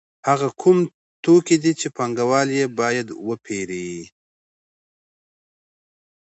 هغه کوم توکي دي چې پانګوال یې باید وپېري